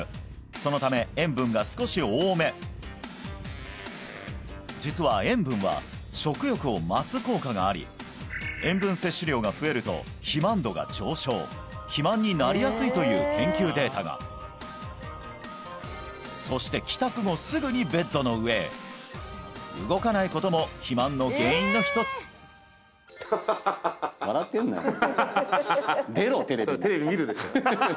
そのため塩分が少し多め実は塩分は食欲を増す効果があり塩分摂取量が増えると肥満度が上昇肥満になりやすいという研究データがそして帰宅後すぐにベッドの上へ動かないことも肥満の原因の一つ笑ってんなよ